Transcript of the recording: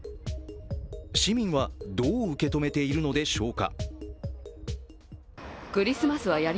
市民はどう受け止めているのでしょうか。